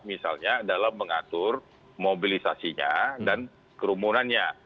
misalnya dalam mengatur mobilisasinya dan kerumunannya